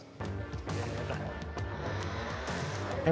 jadi ini tahun depan